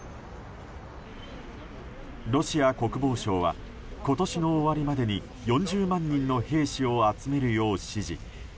ロシア国防省は今年の終わりまでに４０万人の兵士を集めるよう、指示。